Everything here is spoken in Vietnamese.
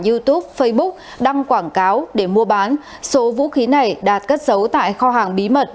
youtube facebook đăng quảng cáo để mua bán số vũ khí này đạt cất giấu tại kho hàng bí mật